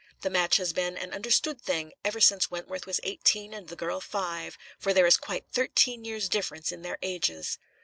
The match has been an understood thing ever since Wentworth was eighteen and the girl five; for there is quite thirteen years' difference in their ages."